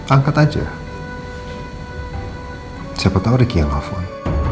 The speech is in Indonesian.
angkat aja siapa tau riki yang nelfon